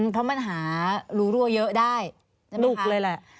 เพราะมันหารู้รั่วเยอะได้สนุกเลยแหละ